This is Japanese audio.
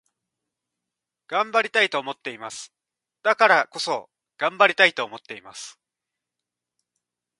頑張りたいと思っています。だからこそ、頑張りたいと思っています。